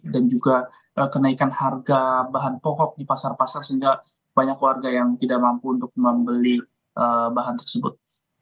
dan juga kenaikan harga bahan pokok di pasar pasar sehingga banyak warga yang tidak mampu untuk membeli bahan tersebut